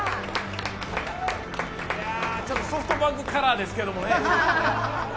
ソフトバンクカラーですけどもね。